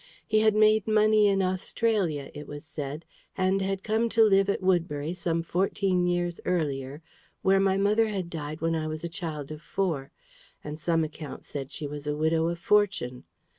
He had made money in Australia, it was said, and had come to live at Woodbury some fourteen years earlier, where my mother had died when I was a child of four; and some accounts said she was a widow of fortune.